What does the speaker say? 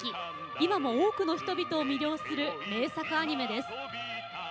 今も多くの人々を魅了する名作のアニメです。